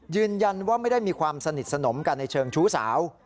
ยืนยันว่าไม่ได้มีความสนิทสนมกันในเชิงชู้สาว